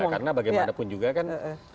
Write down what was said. karena bagaimanapun juga kan